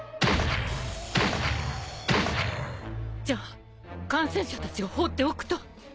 じゃあ感染者たちを放っておくと。